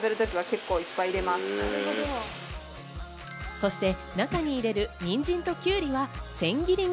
そして中に入れる、にんじんときゅうりは千切りに。